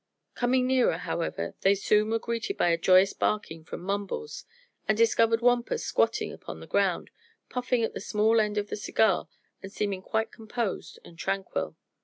Coming nearer, however, they soon were greeted by a joyous barking from Mumbles and discovered Wampus squatting upon the ground, puffing at the small end of the cigar and seeming quite composed and tranquil.